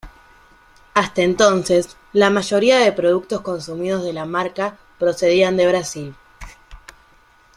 Hasta entonces, la mayoría de productos consumidos de la marca procedían de Brasil.